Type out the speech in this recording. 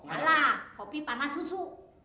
alah kopi panas susu